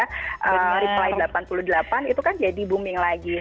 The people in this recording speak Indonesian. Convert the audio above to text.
karena reply delapan puluh delapan itu kan jadi booming lagi